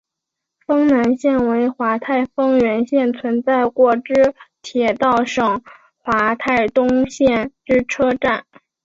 丰南站为桦太丰原市存在过之铁道省桦太东线之车站。